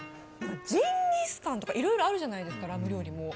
ジンギスカンとかいろいろあるじゃないですか、ラム料理も。